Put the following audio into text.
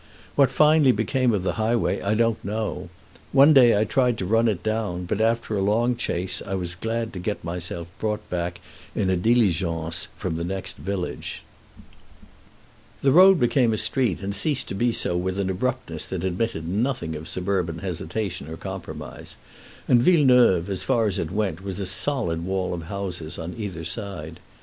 What finally became of the highway I don't know. One day I tried to run it down, but after a long chase I was glad to get myself brought back in a diligence from the next village. [Illustration: "They helped to make the hay in the marshes"] The road became a street and ceased to be so with an abruptness that admitted nothing of suburban hesitation or compromise, and Villeneuve, as far as it went, was a solid wall of houses on either side.